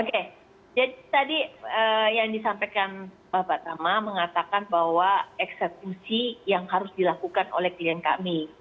oke jadi tadi yang disampaikan bapak tama mengatakan bahwa eksekusi yang harus dilakukan oleh klien kami